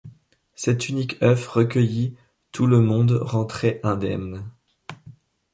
Cet unique œuf recueilli, tout le monde rentrait indemne.